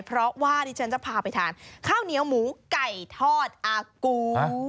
เพราะว่าดิฉันจะพาไปทานข้าวเหนียวหมูไก่ทอดอากู